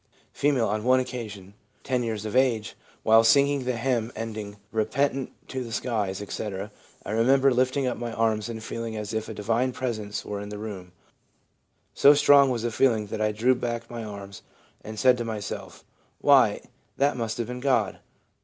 ' F. ' On one occasion (10 years of age), while singing the hymn ending " Repentant to the skies/' etc., I remember lifting up my arms and feeling as if a Divine Presence were in the room ; so strong was the feeling that I drew back my arms and said to myself, " Why, that must have been God."